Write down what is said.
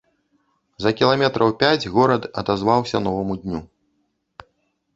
За кіламетраў пяць горад адазваўся новаму дню.